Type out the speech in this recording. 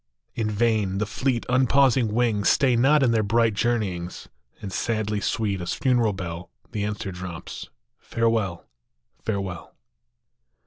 In vain : the fleet, unpausing wings Stay not in their bright journeyings ; And sadly sweet as funeral bell The answer drops, " Farewell ! Farewell"!